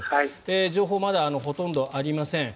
情報、まだほとんどありません。